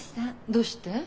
どうして？